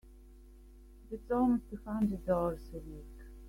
That's almost a hundred dollars a week!